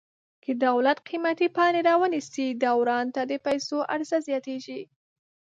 که دولت قیمتي پاڼې را ونیسي دوران ته د پیسو عرضه زیاتیږي.